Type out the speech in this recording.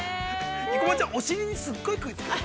◆生駒ちゃん、お尻にすごい食いつく。